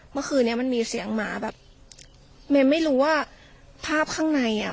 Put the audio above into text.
เมื่อคืนนี้มันมีเสียงหมาแบบเมย์ไม่รู้ว่าภาพข้างในอ่ะ